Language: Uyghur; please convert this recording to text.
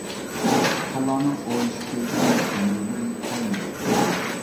تۇغقانلارنىڭ ئويلىشىپ كۆرۈشىنى سەمىمىي ئۈمىد قىلىمەن.